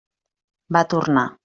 Va tornar.